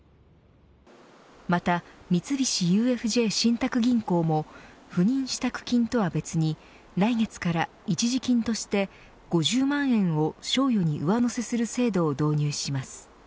また、三菱ＵＦＪ信託銀行も赴任支度金とは別に来月から、一時金として５０万円を賞与に上乗せする制度を導入します。